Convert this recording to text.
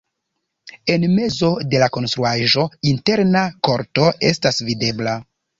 En mezo de la konstruaĵo interna korto estas videbla.